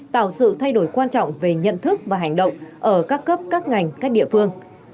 tạo sự thay đổi quan trọng về nhận thức và hành động ở các cấp các ngành các địa phương